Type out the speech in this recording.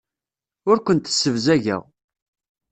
Ur kent-ssebzageɣ.